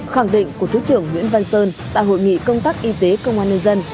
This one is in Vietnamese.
khẳng định của thứ trưởng nguyễn văn sơn tại hội nghị công tác y tế công an nhân dân